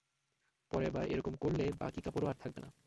পরেরবার এরকম করলে, বাকী কাপড়ও আর থাকবে না।